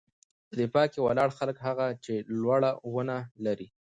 _په دفاع کې ولاړ هلک، هغه چې لوړه ونه لري.